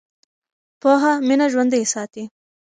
پوهه مینه ژوندۍ ساتي.